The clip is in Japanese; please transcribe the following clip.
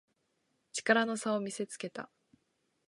力の差を見せつけた